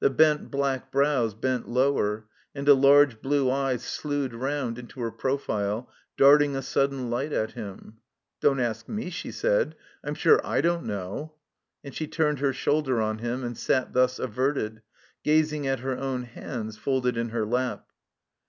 The bent black brows bent lower, and a large blue eye slued round into her profile, darting a sudden light at him. "Don't ask we," she said, "I'm sure I don't know." And she turned her shoulder on him and sat thus averted, gazing at her own hands folded in her lap.